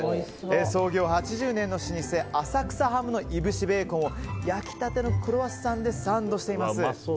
創業８０年の老舗・浅草ハムの燻しベーコンを焼きたてのクロワッサンでサンドしています。